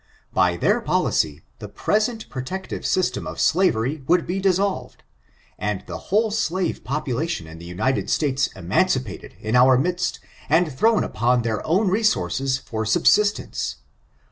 By their policy, the present protective system of slavery would be dissolved, and the whole slave population in the United States emancipated in our midst and thrown upon their own resources for sub sistence.